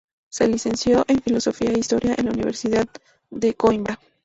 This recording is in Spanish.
Se licenció en Filosofía e Historia en la Universidad de Coímbra.